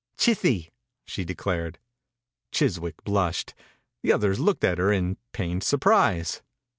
"Chithy," she declared. Chiswick blushed. The others looked at her in pained sur prise.